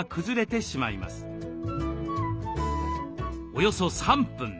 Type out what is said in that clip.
およそ３分。